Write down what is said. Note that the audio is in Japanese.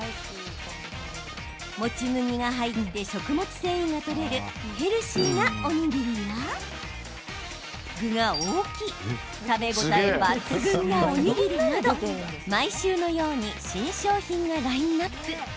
もち麦が入って食物繊維がとれるヘルシーなおにぎりや具が大きい食べ応え抜群なおにぎりなど毎週のように新商品がラインナップ。